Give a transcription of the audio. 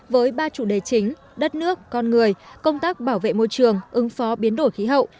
với ba chủ đề chính đất nước con người công tác bảo vệ môi trường ứng phó biến đổi khí hậu